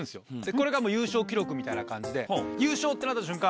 これが優勝記録みたいな感じで優勝！ってなった瞬間